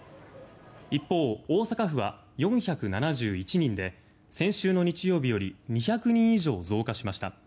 一方、大阪府は４７１人で先週の日曜日より２００人以上増加しました。